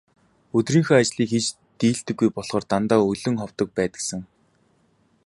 Өдрийнхөө ажлыг хийж дийлдэггүй болохоор дандаа өлөн ховдог байдагсан.